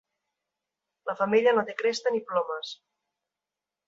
La femella no té cresta ni plomes.